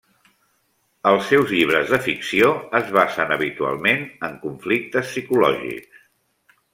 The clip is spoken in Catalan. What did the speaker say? Els seus llibres de ficció es basen habitualment en conflictes psicològics.